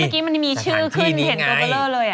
เมื่อกี้มันมีชื่อขึ้นเห็นตัวเบอร์เลอร์เลย